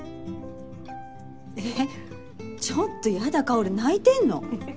えちょっとやだ薫泣いてんの？